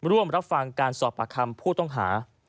ร่วมรับฟังการสอบประคำผู้ต้องหา